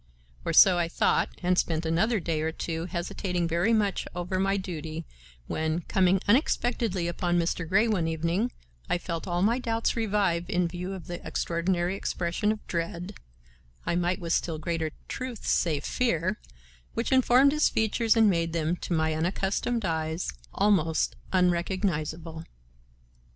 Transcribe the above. Or so I thought, and spent another day or two hesitating very much over my duty, when, coming unexpectedly upon Mr. Grey one evening, I felt all my doubts revive in view of the extraordinary expression of dread—I might with still greater truth say fear—which informed his features and made them, to my unaccustomed eyes, almost unrecognizable.